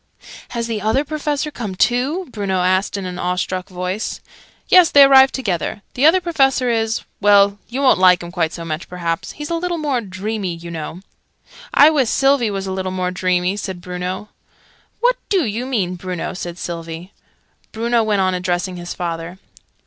"Has the Other Professor come too?" Bruno asked in an awe struck voice. "Yes, they arrived together. The Other Professor is well, you won't like him quite so much, perhaps. He's a little more dreamy, you know." "I wiss Sylvie was a little more dreamy," said Bruno. "What do you mean, Bruno?" said Sylvie. Bruno went on addressing his father.